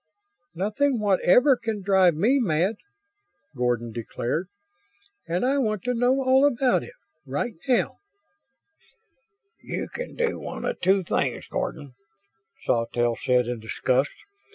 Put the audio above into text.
"Nothing whatever can drive me mad," Gordon declared, "and I want to know all about it right now!" "You can do one of two things, Gordon," Sawtelle said in disgust.